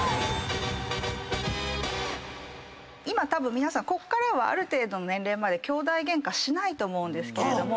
今皆さんある程度の年齢まできょうだいゲンカしないと思うんですけれども。